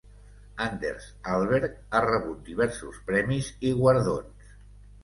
Anders Hallberg ha rebut diversos premis i guardons.